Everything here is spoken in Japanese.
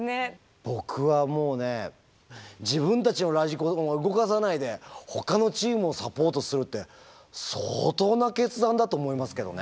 僕はもうね自分たちのラジコンは動かさないでほかのチームをサポートするって相当な決断だと思いますけどね。